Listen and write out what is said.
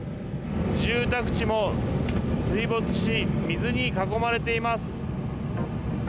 住宅地も水没し、水に囲まれています。